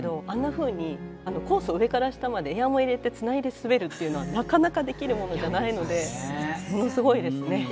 あんなふうに、コースを上から下までエアを入れてつないで滑るっていうのはなかなかできるものではないのでものすごいですね。